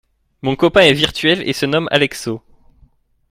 Mon copain est virtuel et se nomme Alexo.